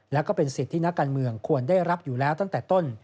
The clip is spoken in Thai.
และก็เป็นสิทธิ์ที่นักการเมืองควรได้รับอยู่แล้วตั้งแต่ต้น